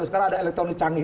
sekarang ada elektronik canggih